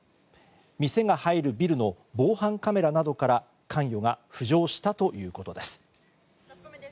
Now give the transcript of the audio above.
店が入るビルの防犯カメラなどから関与が浮上したということです。